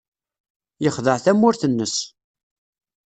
Yexdeɛ tamurt-nnes.